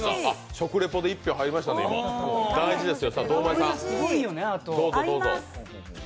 食レポで１票入りましたね、大事ですよ。